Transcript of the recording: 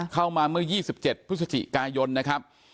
เข้ามาเมื่อ๒๗พฤศจิกายนนะครับ